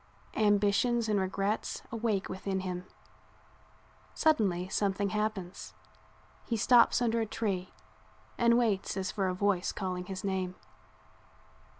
Ambitions and regrets awake within him. Suddenly something happens; he stops under a tree and waits as for a voice calling his name.